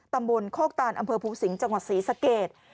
ตำบลโคกตานอำเภอภูสิงห์จังหวัดศรีสะเกด